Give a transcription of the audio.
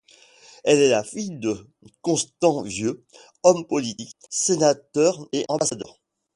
Elle est la fille de Constant Vieux, homme politique, sénateur et ambassadeur.